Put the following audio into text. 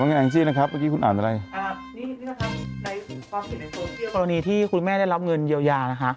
วันนี้อังกฤษนะครับเมื่อกี้คุณอ่านอะไรอ่านี่นี่แหละครับในในโซเวียบริการมีที่คุณแม่ได้รับเงินเยียวยานะคะ